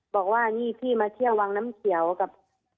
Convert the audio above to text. บอกว่านี่พี่มาเที่ยววังน้ำเขียวกับ